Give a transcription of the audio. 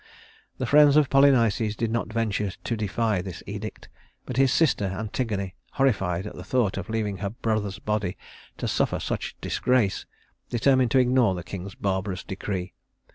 The friends of Polynices did not venture to defy this edict; but his sister Antigone, horrified at the thought of leaving her brother's body to suffer such disgrace, determined to ignore the king's barbarous decree.